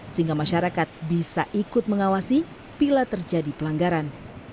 sehingga masyarakat bisa ikut mengawasi bila terjadi pelanggaran